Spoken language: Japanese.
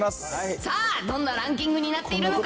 さあ、どんなランキングになっているのか。